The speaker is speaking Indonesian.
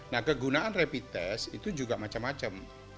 nah kegunaan rapid test itu juga macam macam